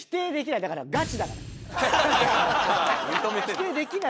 否定できない。